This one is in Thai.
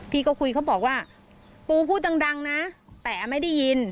พี่ก็คุยเขาบอกว่าปูพูดดังนะแต่ไม่ได้ยิน